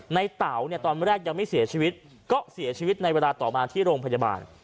เต๋าเนี่ยตอนแรกยังไม่เสียชีวิตก็เสียชีวิตในเวลาต่อมาที่โรงพยาบาล